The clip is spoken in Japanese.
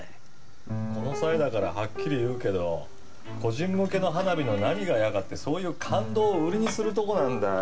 この際だからはっきり言うけど個人向けの花火の何が嫌かってそういう感動を売りにするとこなんだよ。